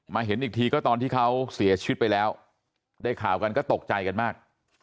เห็นอีกทีก็ตอนที่เขาเสียชีวิตไปแล้วได้ข่าวกันก็ตกใจกันมาก